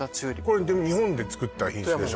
これでも日本で作った品種でしょ